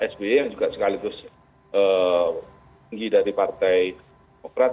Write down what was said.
sby yang juga sekaligus tinggi dari partai demokrat